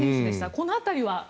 この辺りは。